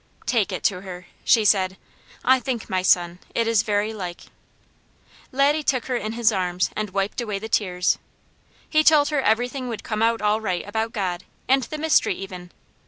"Take it to her," she said. "I think, my son, it is very like." Laddie took her in his arms and wiped away the tears; he told her everything would come out all right about God, and the mystery, even.